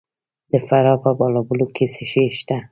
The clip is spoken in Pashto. د فراه په بالابلوک کې څه شی شته؟